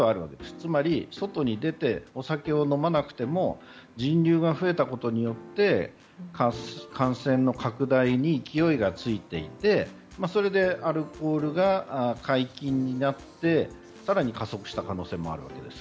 つまり、外に出てお酒を飲まなくても人流が増えたことによって感染の拡大に勢いがついていてそれでアルコールが解禁になって更に加速した可能性もあるわけです。